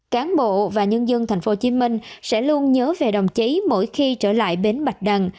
cán bộ và nhân dân tp hcm sẽ luôn nhớ về đồng chí mỗi khi trở lại bến bạch đằng